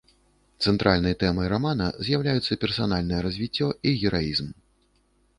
Цэнтральнай тэмай рамана з'яўляюцца персанальнае развіццё і гераізм.